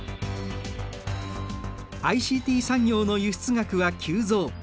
ＩＣＴ産業の輸出額は急増。